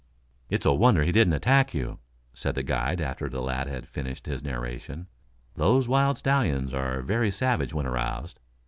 "It's a wonder he didn't attack you," said the guide after the lad had finished his narration. "Those wild stallions are very savage when aroused."